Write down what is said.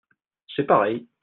C'est pareil.